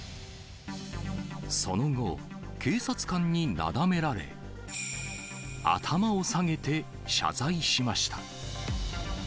その後、警察官になだめられ、頭を下げて謝罪しました。